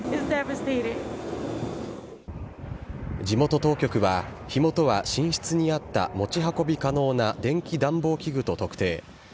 地元当局は、火元は寝室にあった持ち運び可能な電気暖房器具と特定。